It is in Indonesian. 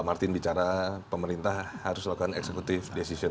kalau kita bicara pemerintah harus melakukan pilihan eksekutif